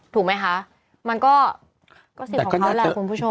ถูกมั้ยคะมันก็ก็สิทธิ์ของเขาแล้วคุณผู้ชม